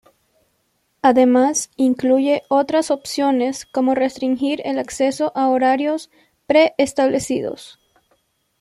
Además, incluye otras opciones como restringir el acceso a horarios preestablecidos.